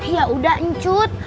ya udah ncut